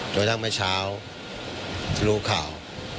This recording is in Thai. โดยทั้งเมื่อเช้ารู้ข่าว